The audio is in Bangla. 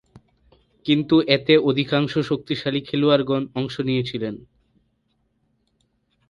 কিন্তু এতে অধিকাংশ শক্তিশালী খেলোয়াড়গণ অংশ নিয়েছিলেন।